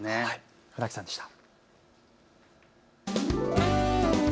船木さんでした。